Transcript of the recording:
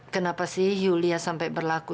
kenapa sih yulia sampai berlaku